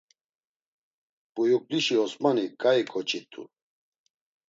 Buyuklişi Osmani ǩai ǩoçi’t̆u.